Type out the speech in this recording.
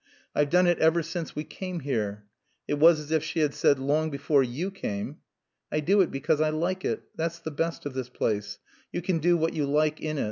"I've done it ever since we came here." (It was as if she had said "Long before you came.") "I do it because I like it. That's the best of this place. You can do what you like in it.